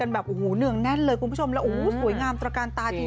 แบบโอ้โหเนื่องแน่นเลยคุณผู้ชมแล้วโอ้โหสวยงามตระการตาจริง